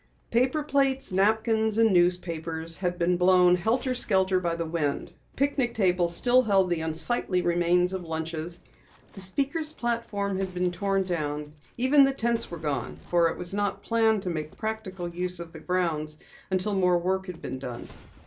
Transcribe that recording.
Paper plates, napkins and newspapers had been blown helter skelter by the wind. Picnic tables still held the unsightly remains of lunches. The speakers' platform had been torn down, even the tents were gone, for it was not planned to make practical use of the grounds until more work had been done.